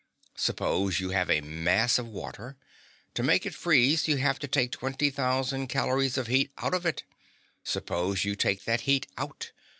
Suppose you have a mass of water. To make it freeze you have to take twenty thousand calories of heat out of it. Suppose you take that heat out.